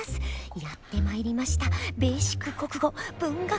やって参りました「ベーシック国語」文学史回。